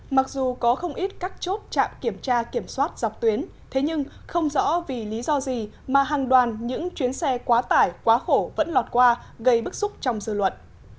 mặc dù có không ít các chốt trạm kiểm tra kiểm soát dọc tuyến thế nhưng không rõ vì lý do gì mà hàng đoàn những chuyến xe quá tải quá khổ vẫn lọt qua gây bức xúc trong dư luận